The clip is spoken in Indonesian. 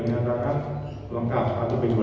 oleh kekejaksaan sudah dinyatakan